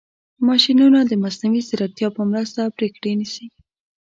ماشینونه د مصنوعي ځیرکتیا په مرسته پرېکړې نیسي.